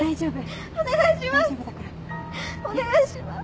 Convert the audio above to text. お願いします！